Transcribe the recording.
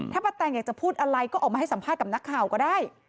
ถ้าป้าแตงอยากจะพูดอะไรก็ออกมาให้สัมภาษณ์กับนักข่าวก็ได้